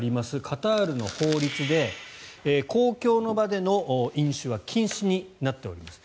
カタールの法律で公共の場での飲酒は禁止になっております。